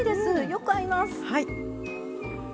よく合います。